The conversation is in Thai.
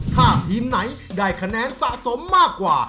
ถ้าทีมไหนได้คะแนนสะสมมากกว่า